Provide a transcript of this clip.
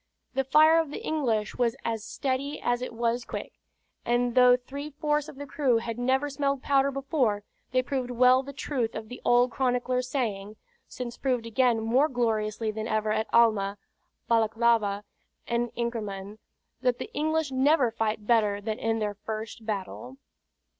The fire of the English was as steady as it was quick; and though three fourths of the crew had never smelled powder before, they proved well the truth of the old chronicler's saying (since proved again more gloriously than ever at Alma, Balaklava, and Inkermann), that "the English never fight better than in their first battle."